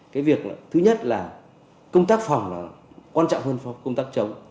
cái việc thứ nhất là công tác phòng là quan trọng hơn công tác chống